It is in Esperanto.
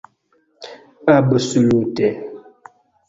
absolute